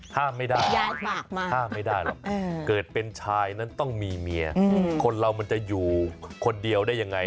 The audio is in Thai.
ห้ามไม่ได้ห้ามไม่ได้หรอกเกิดเป็นชายนั้นต้องมีเมียคนเรามันจะอยู่คนเดียวได้ยังไง